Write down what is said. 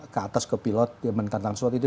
ke atas ke pilot dia menekan transot itu